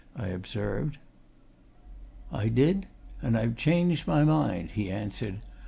I observed. "I did and I've changed my mind," he answered.